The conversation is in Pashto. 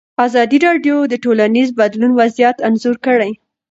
ازادي راډیو د ټولنیز بدلون وضعیت انځور کړی.